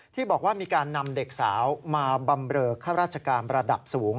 ที่บอกว่ามีการนำเด็กสาวมาบำเรอข้าราชการระดับสูง